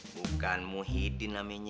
bukan muhyiddin namanya